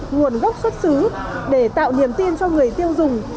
nguồn gốc xuất xứ để tạo niềm tin cho người tiêu dùng